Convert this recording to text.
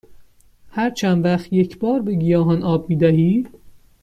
هر چند وقت یک بار به گیاهان آب می دهی؟